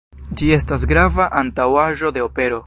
Ĝi estas grava antaŭaĵo de opero.